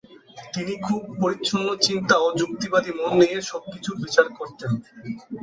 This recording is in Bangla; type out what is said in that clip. তিনি খুব পরিচ্ছন্ন চিন্তা ও যুক্তিবাদী মন নিয়ে সবকিছুর বিচার করতেন।